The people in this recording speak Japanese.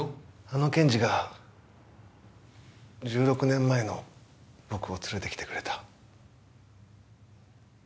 あの検事が１６年前の僕を連れて来てくれた。